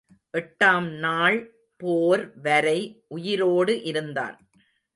எட்டாம் நாள் போர் வரை உயிரோடு இருந்தான்.